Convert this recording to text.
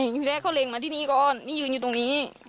ทีแรกเขาเล็งมาที่นี่ก่อนนี่ยืนอยู่ตรงนี้